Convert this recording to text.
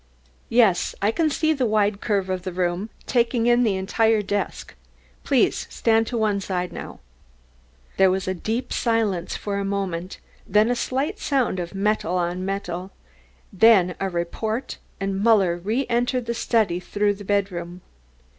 "Yes, I can see a wide curve of the room, taking in the entire desk. Please stand to one side now." There was deep silence for a moment, then a slight sound as of metal on metal, then a report, and Muller re entered the study through the bedroom.